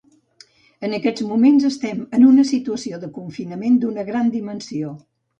En aquests moments estem en una situació de confinament d’una gran dimensió.